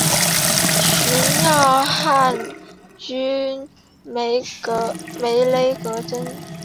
寻擢汉军梅勒额真。